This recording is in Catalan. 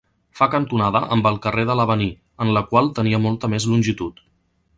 Fa cantonada amb el carrer de l'Avenir, en la qual tenia molta més longitud.